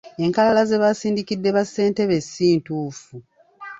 Enkalala ze baasindikidde bassentebe si ntuufu.